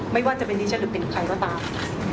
ไม่ว่าจะเป็นดิฉันหรือเป็นใครก็ตาม